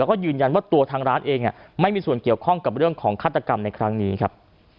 แล้วก็ยืนยันว่าตัวทางร้านเองไม่มีส่วนเกี่ยวข้องกับเรื่องของฆาตกรรมในครั้งนี้ครับ